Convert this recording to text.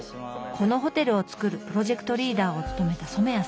このホテルをつくるプロジェクトリーダーを務めた染谷さん。